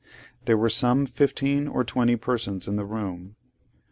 There were some fifteen or twenty persons in the room.